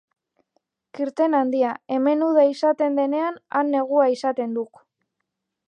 Kirten handia, hemen uda izaten denean, han negua izaten duk!